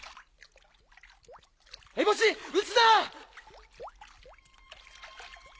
エボシ撃つな！